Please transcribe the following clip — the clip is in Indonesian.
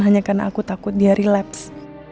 hanya karena aku takut dia relapse